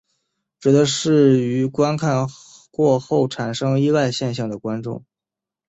指的是于观看过后产生依赖现象的观众。